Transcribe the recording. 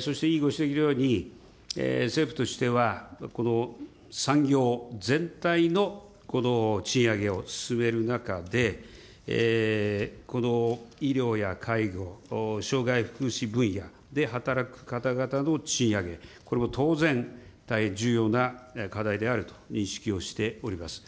そして委員ご指摘のように、政府としては、産業全体のこの賃上げを進める中で、この医療や介護、障害福祉分野で働く方々の賃上げ、これも当然、大変重要な課題であると認識をしております。